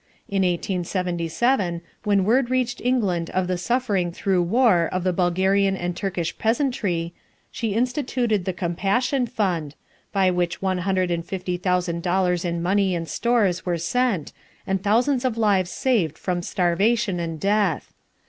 In 1877, when word reached England of the suffering through war of the Bulgarian and Turkish peasantry, she instituted the "Compassion Fund," by which one hundred and fifty thousand dollars in money and stores were sent, and thousands of lives saved from starvation and death.